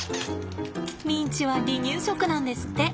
ミンチは離乳食なんですって。